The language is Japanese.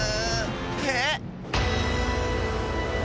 えっ！